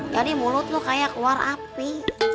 jadi mulut lu kayak keluar api